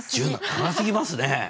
長すぎますね。